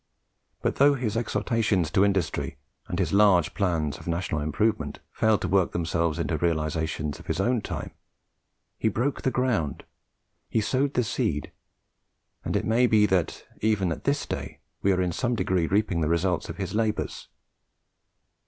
But though his exhortations to industry and his large plans of national improvement failed to work themselves into realities in his own time, he broke the ground, he sowed the seed, and it may be that even at this day we are in some degree reaping the results of his labours.